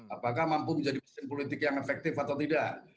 apakah mampu menjadi mesin politik yang efektif atau tidak